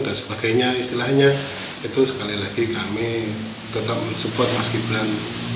dan sebagainya istilahnya itu sekali lagi kami tetap men support mas ghibran